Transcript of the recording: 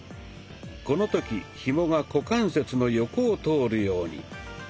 この時ひもが股関節の横を通るように。